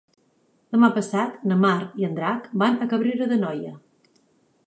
Demà passat na Mar i en Drac van a Cabrera d'Anoia.